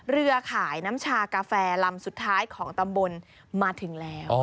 เรือขายน้ำชากาแฟลำสุดท้ายของตำบลมาถึงแล้ว